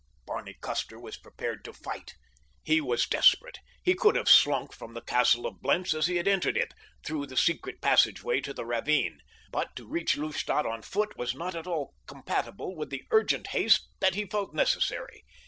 Barney Custer was prepared to fight. He was desperate. He could have slunk from the Castle of Blentz as he had entered it—through the secret passageway to the ravine; but to attempt to reach Lustadt on foot was not at all compatible with the urgent haste that he felt necessary.